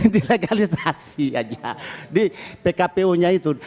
dilegalisasi saja di pkpu nya itu